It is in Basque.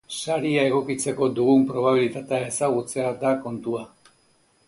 Saria egokitzeko dugun probabilitatea ezagutzea da kontua.